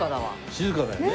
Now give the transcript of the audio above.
静かだよね。